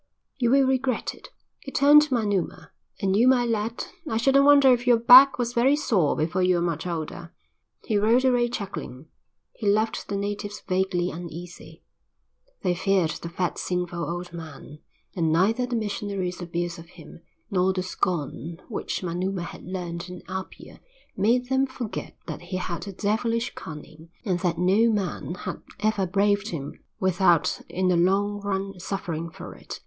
"You will regret it." He turned to Manuma. "And you, my lad, I shouldn't wonder if your back was very sore before you're much older." He rode away chuckling. He left the natives vaguely uneasy. They feared the fat sinful old man, and neither the missionaries' abuse of him nor the scorn which Manuma had learnt in Apia made them forget that he had a devilish cunning and that no man had ever braved him without in the long run suffering for it.